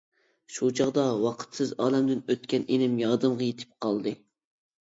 شۇ چاغدا ۋاقىتسىز ئالەمدىن ئۆتكەن ئىنىم يادىمغا يېتىپ قالدى.